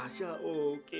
aduh tasya oke